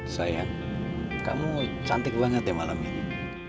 sayang kamu cantik banget ya malam ini